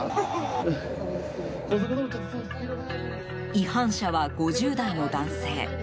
違反者は５０代の男性。